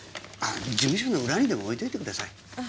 事務所の裏にでも置いといてください。